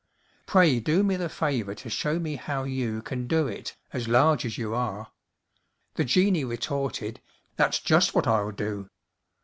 Pray do me the favor to show me how you Can do it, as large as you are." The genie retorted: "That's just what I'll do!"